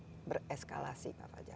kalau ini bereskalasi pak fajar